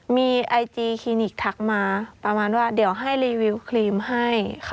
มีไอจีคลินิกทักมาประมาณว่าเดี๋ยวให้รีวิวครีมให้ค่ะ